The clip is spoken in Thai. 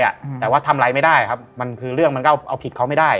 แต่ว่าทำอะไรไม่ได้ครับมันคือเรื่องมันก็เอาผิดเขาไม่ได้